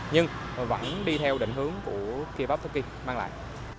nhưng vẫn đi theo định hướng của kibak toki mang lại